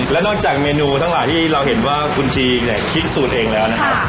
และนอกจากเมนูทั้งหลายที่เราเห็นว่าคุณจีนเนี่ยคิดสูตรเองแล้วนะครับ